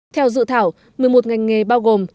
theo dự thảo một mươi một ngành nghề bao gồm